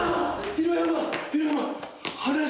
広山！